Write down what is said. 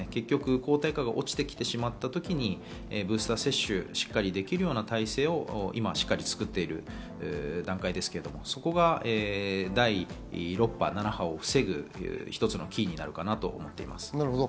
抗体価が落ちてきてしまったときにブースター接種をしっかりできるような体制を今しっかり作っている段階ですけど、そこが第６波、７波を防ぐ一つのキーになるかなと思っています。